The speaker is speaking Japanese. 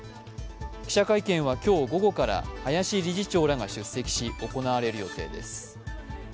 記者会見は今日午後から林理事長らが出席し、行われる予定です。